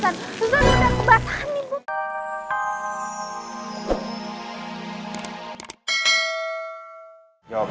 susan udah kebatasan nih